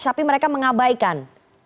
tapi mereka mengabaikan